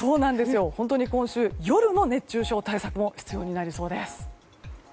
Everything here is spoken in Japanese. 本当に今週夜の熱中症対策も必要になりそうです。